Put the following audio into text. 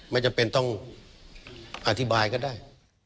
ไม่จำเป็นต้องอธิบายก็ได้